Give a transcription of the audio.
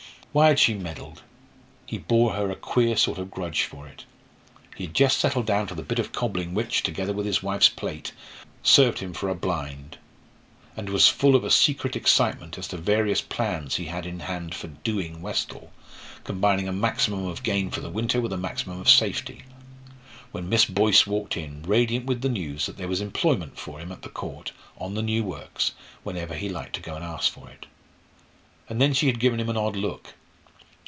Why had she meddled? He bore her a queer sort of grudge for it. He had just settled down to the bit of cobbling which, together with his wife's plait, served him for a blind, and was full of a secret excitement as to various plans he had in hand for "doing" Westall, combining a maximum of gain for the winter with a maximum of safety, when Miss Boyce walked in, radiant with the news that there was employment for him at the Court, on the new works, whenever he liked to go and ask for it. And then she had given him an odd look.